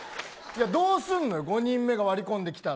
どうすんねん５人目が割り込んできたら。